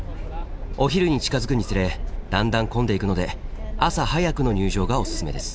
お昼に近づくにつれだんだん混んでいくので朝早くの入場がおすすめです。